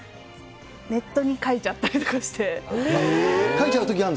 ネットに書いちゃったりとかして。